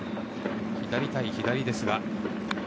左対左です。